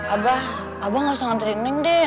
abah abah nggak usah ngantriin neng deh